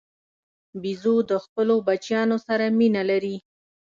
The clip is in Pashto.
بیزو د خپلو بچیانو سره مینه لري.